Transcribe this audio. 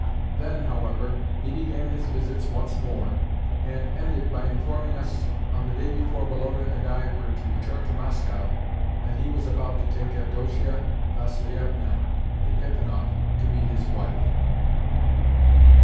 Then, however, he began his visits once more, and ended by informing us, on the day before Woloda and I were to return to Moscow, that he was about to take Avdotia Vassilievna Epifanov to be his wife.